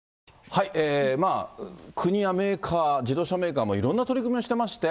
まあ、国やメーカー、自動車メーカーもいろんな取り組みをしてまして。